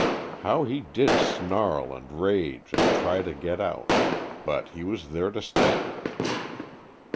How he did snarl and rage and try to get out; but he was there to stay.